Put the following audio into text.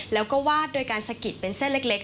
แล้วก็วาดโดยการสะกิดเป็นเส้นเล็ก